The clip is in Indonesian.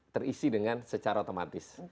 terisi dengan secara otomatis